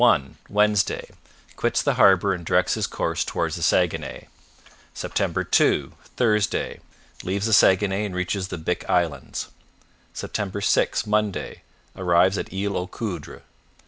1 Wednesday Quits the harbour and directs his course toward the Saguenay. " 2 Thursday Leaves the Saguenay and reaches the Bic Islands. " 6 Monday Arrives at Isle aux Coudres.